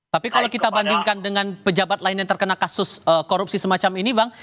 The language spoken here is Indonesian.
tapi kalau kita bandingkan dengan pejabat lain yang terkena kasus korupsi semacam ini bang